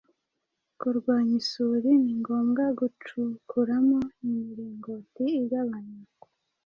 kurwanya isuri. Ni ngombwa gucukuramo imiringoti igabanya